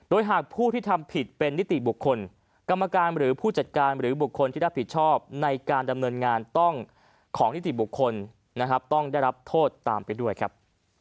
โดยหากผู้ที่ทำผิดเป็นนิติบุคคลกรรมการหรือผู้จัดการหรือบุคคลที่รับผิดชอบในการดำเนินงานต้องของนิติบุคคลนะครับต้องได้รับโทษตามไปด้วยครับ